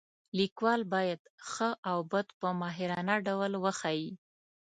لیکوال باید ښه او بد په ماهرانه ډول وښایي.